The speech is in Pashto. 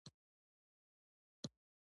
د خلګو